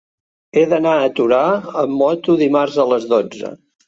He d'anar a Torà amb moto dimarts a les dotze.